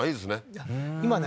今ね